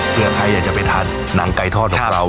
เพื่อใครอยากจะไปทานหนังไก่ทอดของเรา